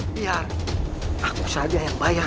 biar aku saja yang bayar